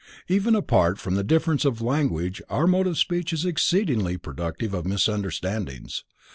Even apart from difference of language our mode of speech is exceedingly productive of misunderstandings.